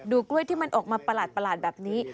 กล้วยที่มันออกมาประหลาดแบบนี้